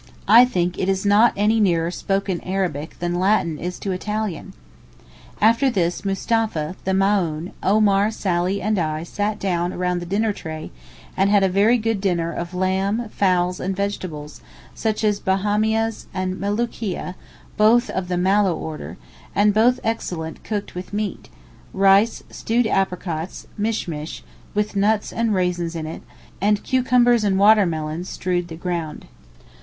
I think it is not any nearer spoken Arabic than Latin is to Italian. After this, Mustapha, the Maōhn, Omar, Sally and I, sat down round the dinner tray, and had a very good dinner of lamb, fowls and vegetables, such as bahmias and melucheeah, both of the mallow order, and both excellent cooked with meat; rice, stewed apricots (mish mish), with nuts and raisins in it, and cucumbers and water melons strewed the ground.